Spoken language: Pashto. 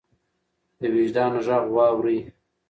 د وجدان غږ واورئ.